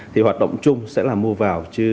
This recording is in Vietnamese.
thì hoạt động chung sẽ là mua vào